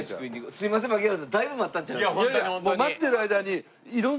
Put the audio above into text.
すいません槙原さんだいぶ待ったんちゃいます？